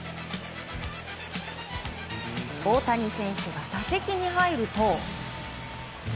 大谷選手が打席に入ると。